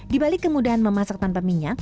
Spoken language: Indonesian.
di balik kemudahan memasak tanpa minyak